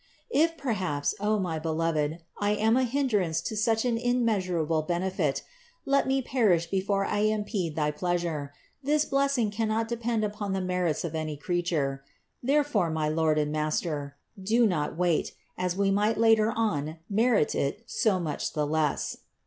If perhaps, O my Beloved, I am a hindrance to such an immeasurable benefit, let me perish before I impede thy pleasure ; this blessing cannot depend upon the merits of any creature ; therefore, my Lord and 2 4 30 CITY OF GOD Master, do not wait, as we might later on merit it so much the" less.